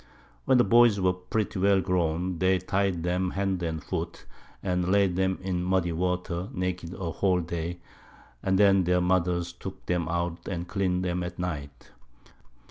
When Boys were pretty well grown, they ty'd 'em Hand and Foot, and laid 'em in muddy Water naked a whole Day, and then their Mothers took 'em out and clean'd 'em at Night.